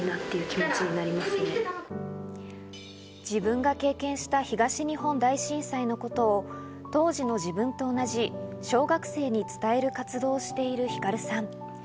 自分が経験した東日本大震災のことを当時の自分と同じ小学生に伝える活動をしているひかるさん。